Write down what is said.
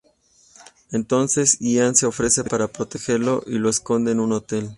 Entonces, Ian se ofrece para protegerlo, y lo esconde en un hotel.